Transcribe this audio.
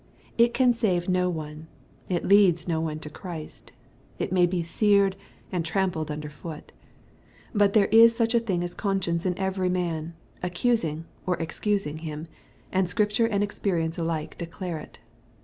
It can save no one. It leads no one to Christ. It may be seared and trampled under foot. But there is such a thing as con science in every man, accusing or excusing him ; and Scripture and experience alike declare it.